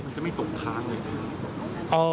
มันจะไม่ตกค้างเลยนะครับ